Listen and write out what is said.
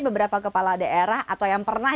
beberapa kepala daerah atau yang pernah